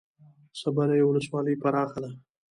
صبریو ولسوالۍ پراخه ده؟